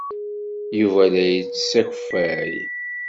Yuba la yettess akeffay.